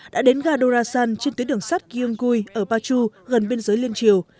đã đến gadorasan trên tuyến đường sắt gyeonggui ở pachu gần biên giới liên triều